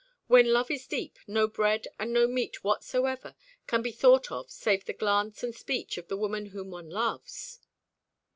When love is deep, no bread and no meat whatsoever can be thought of save the glance and speech of the woman whom one loves."